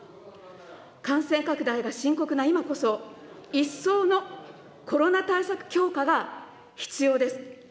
感染拡大が深刻な今こそ、一層のコロナ対策強化が必要です。